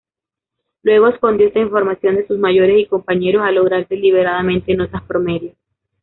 Luego escondió esta información de sus mayores y compañeros al lograr deliberadamente notas promedio.